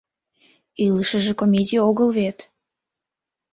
Илышыже комедий огыл вет...